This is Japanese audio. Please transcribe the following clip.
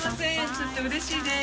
ちょっとうれしいです。